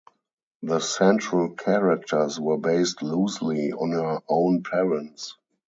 The central characters were based loosely on her own parents.